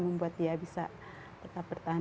membuat dia bisa tetap bertahan